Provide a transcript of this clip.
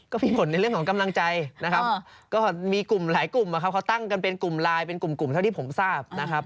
ก็มีผลในเรื่องของกำลังใจนะครับก็มีกลุ่มหลายกลุ่มนะครับเขาตั้งกันเป็นกลุ่มไลน์เป็นกลุ่มเท่าที่ผมทราบนะครับ